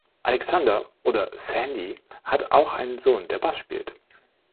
Alexander oder „Sandy“ hat auch einen Sohn, der Bass spielt.